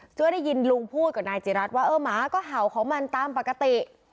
เมื่อได้ยินลุงพูดกับนายจิรัตนว่าเออหมาก็เห่าของมันตามปกติ